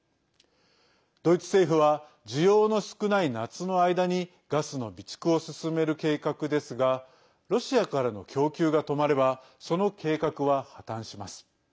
ドイツ政府は需要の少ない夏の間にガスの備蓄を進める計画ですがロシアからの供給が止まればその計画は破綻します。